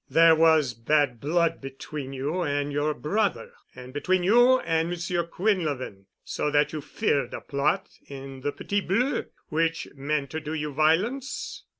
There was bad blood between you and your brother and between you and Monsieur Quinlevin—so that you feared a plot in the Petit Bleu which meant to do you violence?"